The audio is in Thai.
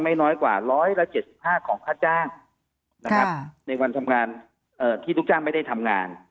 น้อยกว่า๑๗๕ของค่าจ้างนะครับในวันทำงานที่ลูกจ้างไม่ได้ทำงาน